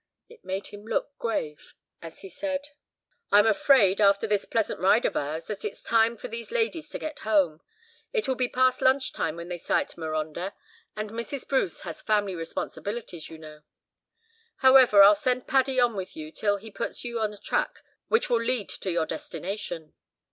It made him look grave, as he said— "I'm afraid, after this pleasant ride of ours, that it's time for these ladies to get home. It will be past lunch time when they sight Marondah, and Mrs. Bruce has family responsibilities, you know. However, I'll send Paddy on with you till he puts you on a track which will lead to your destination."